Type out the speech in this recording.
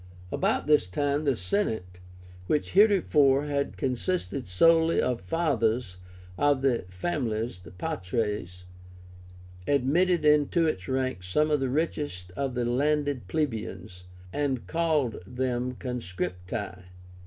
About this time the Senate, which heretofore had consisted solely of Fathers of the families (Patres), admitted into its ranks some of the richest of the landed plebeians, and called them CONSCRIPTI.